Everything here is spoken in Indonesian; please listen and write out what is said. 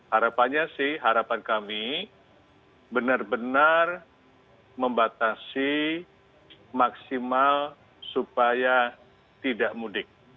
harapannya sih harapan kami benar benar membatasi maksimal supaya tidak mudik